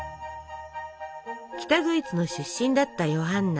北ドイツの出身だったヨハンナ。